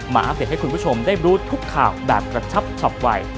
อัปเดตให้คุณผู้ชมได้รู้ทุกข่าวแบบกระชับฉับไว